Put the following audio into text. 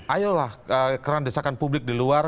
ayolah kerandesakan publik di luar